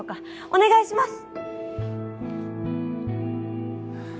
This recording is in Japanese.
お願いします！